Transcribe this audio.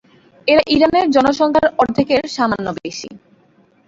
এরা ইরানের জনসংখ্যার অর্ধেকের সামান্য বেশি।